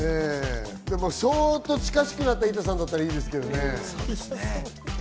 相当近しくなった板さんだったらいいですけどね。